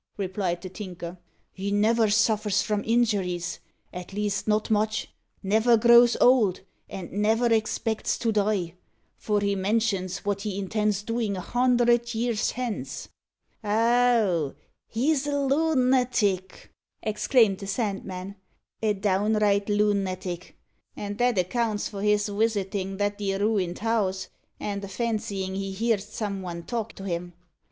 replied the Tinker; "he never suffers from injuries at least, not much; never grows old; and never expects to die; for he mentions wot he intends doin' a hundred years hence." "Oh, he's a lu nattic!" exclaimed the Sandman, "a downright lu nattic; and that accounts for his wisitin' that 'ere ruined house, and a fancyin' he heerd some one talk to him.